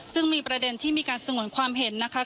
ซึ่งมีประเด็นที่มีการสงวนความเห็นนะคะ